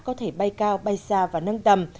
có thể bay cao bay xa và nâng tầm